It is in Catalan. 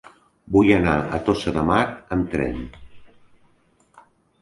Vull anar a Tossa de Mar amb tren.